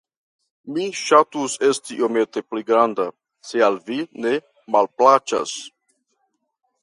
mi ŝatus esti iomete pli granda, se al vi ne malplaĉas.